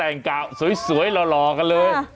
แต่งกะสวยหล่อกันเลย